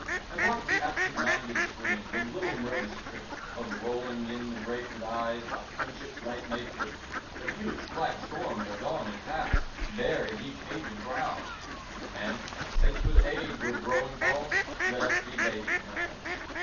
I marked the absent minded scream, The little nervous trick Of rolling in the grate, with eyes By friendship's light made quick. But youth's black storms are gone and past, Bare is each aged brow; And, since with age we're growing bald, Let us be babies now.